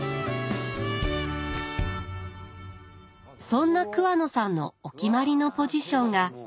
そんな桑野さんのお決まりのポジションが。